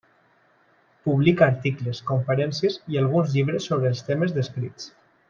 Publica articles, conferències i alguns llibres sobre els temes descrits.